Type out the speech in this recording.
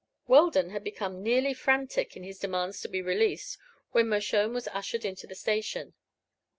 Weldon had become nearly frantic in his demands to be released when Mershone was ushered into the station.